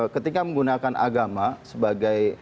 ketika menggunakan agama sebagai